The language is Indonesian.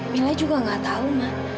mila juga nggak tahu